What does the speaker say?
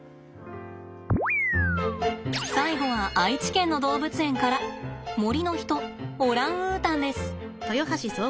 最後は愛知県の動物園から森の人オランウータンです。